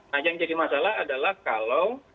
nah yang jadi masalah adalah kalau